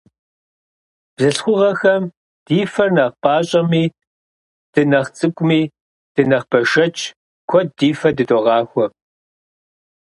Бзылъхугъэхэм ди фэр нэхъ пӀащӀэми, дынэхъ цӀыкӀуми, дынэхъ бэшэчщ, куэд ди фэ дыдогъахуэ.